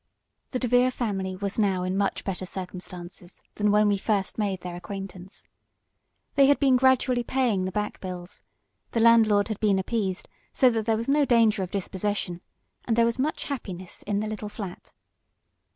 The DeVere family was now in much better circumstances than when we first made their acquaintance. They had been gradually paying the back bills, the landlord had been appeased, so that there was no danger of dispossession, and there was much happiness in the little flat.